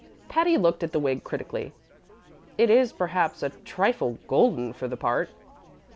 Patty looked at the wig critically. "It is, perhaps, a trifle golden for the part."